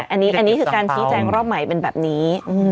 อันนี้คือการชี้แจงรอบใหม่เป็นแบบนี้